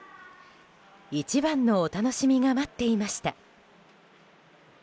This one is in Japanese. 一番のお楽しみが待っていました。